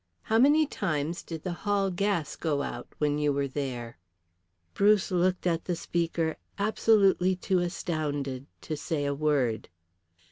How many times did the hall gas go out when you were there?" Bruce looked at the speaker absolutely too astounded to say a word.